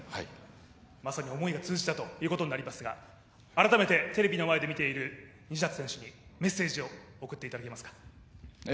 まさに思いが通じたということになりますが、改めてテレビの前で見ている西舘選手にメッセージを送っていただけますか。